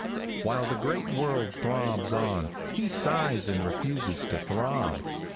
While the great world throbs on, he sighs and refuses to throb.